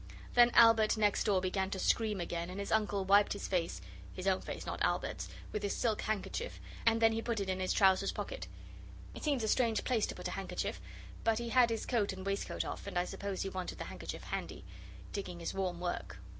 Then Albert next door began to scream again, and his uncle wiped his face his own face, not Albert's with his silk handkerchief, and then he put it in his trousers pocket. It seems a strange place to put a handkerchief, but he had his coat and waistcoat off and I suppose he wanted the handkerchief handy. Digging is warm work.